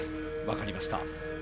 分かりました。